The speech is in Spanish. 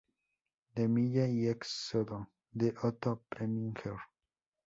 De Mille, y "Éxodo", de Otto Preminger.